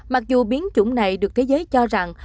mặc dù biến chủng này được thế giới cho rằng